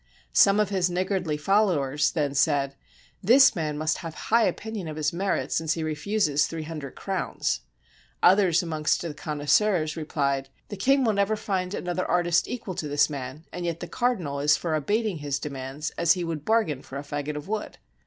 Some of his niggardly followers then said: "This man must have high opinion of his merit, since he refuses three hundred crowns "; others amongst the connoisseurs replied: "The king will never find an other artist equal to this man, and yet the cardinal is for abating his demands as he would bargain for a fagot of wood."